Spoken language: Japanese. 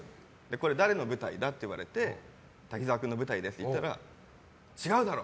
これ誰の舞台だって言われて滝沢君の舞台ですって言ったら違うだろ！